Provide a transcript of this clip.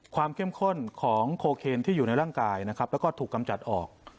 เข้มข้นของโคเคนที่อยู่ในร่างกายนะครับแล้วก็ถูกกำจัดออก